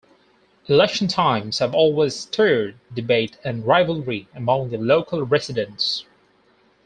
Election times have always stirred debate and rivalry among the local residents.